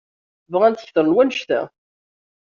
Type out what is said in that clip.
Bɣant kter n wannect-a.